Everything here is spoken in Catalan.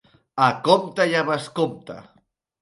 A compte i a bescompte.